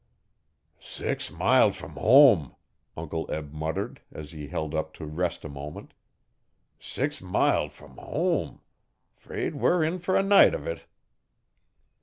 'Six mild from home,' Uncle Eb muttered, as he held up to rest a moment. 'Six mild from home. 'Fraid we're in fer a night uv it.'